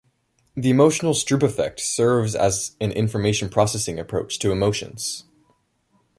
The emotional Stroop effect serves as an information processing approach to emotions.